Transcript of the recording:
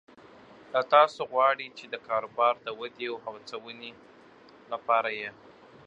له تاسو غواړي چې د کاروبار د ودې او هڅونې لپاره یې